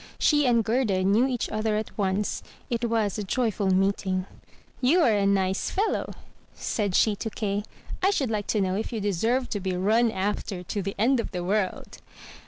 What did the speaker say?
She and Gerda knew each other at once. It was a joyful meeting. "You are a nice fellow! said she to Kay; "I should like to know if you deserve to be run after to the end of the world!